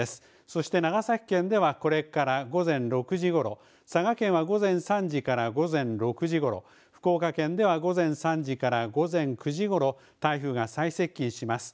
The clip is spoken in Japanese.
そして長崎県ではこれから午前６時ごろ、佐賀県が午前３時から午前６時ごろ、福岡県では午前３時から午前９時ごろ、台風が最接近します。